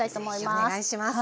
ぜひお願いします。